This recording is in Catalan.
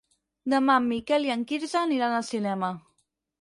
Demà en Miquel i en Quirze aniran al cinema.